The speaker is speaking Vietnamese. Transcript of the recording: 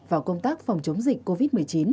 vào công tác phòng chống dịch covid một mươi chín